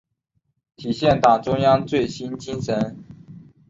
体现党中央最新精神